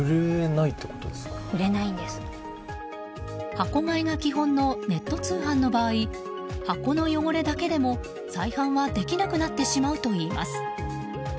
箱買いが基本のネット通販の場合箱の汚れだけでも、再販はできなくなってしまうといいます。